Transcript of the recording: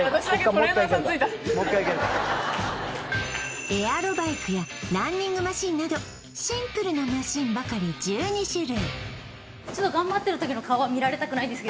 もう一回いけるエアロバイクやランニングマシンなどシンプルなマシンばかり１２種類